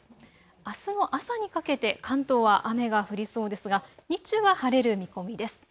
あすの朝にかけて関東は雨が降りそうですが日中は晴れる見込みです。